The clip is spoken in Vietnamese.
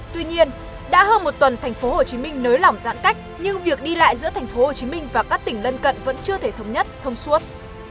tuy nhiên đã hơn một tuần tp hcm nới lỏng giãn cách nhưng việc đi lại giữa tp hcm và các tỉnh lân cận vẫn chưa thể thống nhất thông suốt